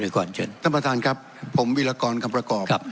เชิญครับเชิญครับท่านประธานครับผมวิรากรกรกรกร